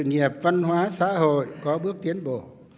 nghiệp văn hóa xã hội có bước tiến bộ